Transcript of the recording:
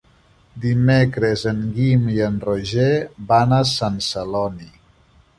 Dimecres en Guim i en Roger van a Sant Celoni.